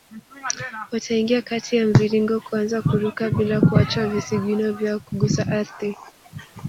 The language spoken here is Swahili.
Wataingia kati ya mviringo kuanza kuruka bila kuacha visigino vyao kugusa ardhi